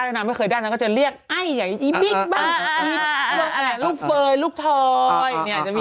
ต่อน้องต่อต่อน้องตุ้งตาม